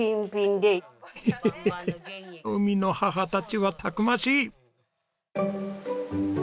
ヘヘヘヘ海の母たちはたくましい！